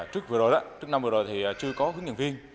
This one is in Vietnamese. trước năm vừa rồi thì chưa có hướng nhận viên